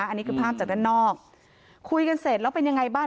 อันนี้คือภาพจากด้านนอกคุยกันเสร็จแล้วเป็นยังไงบ้าง